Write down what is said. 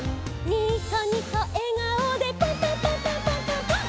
「ニコニコえがおでパンパンパンパンパンパンパン！！」